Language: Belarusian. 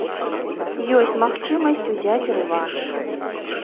Ёсць магчымасць узяць рэванш.